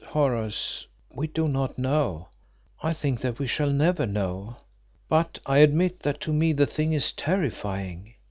Horace, we do not know I think that we shall never know. But I admit that to me the thing is terrifying.